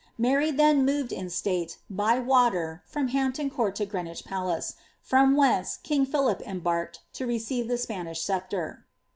^ Mary then moved in state, by water, from Hampton Court to Greenwich Palace ; from whence king Philip embarked, to receive the Spanish sceptre.